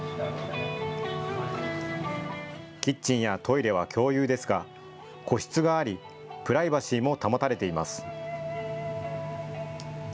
キッチンやトイレは共有ですが個室がありプライバシーも保たれています。